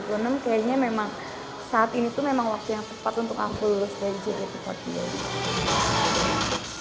kayaknya memang saat ini tuh memang waktu yang tepat untuk aku lulus dari jkt empat puluh delapan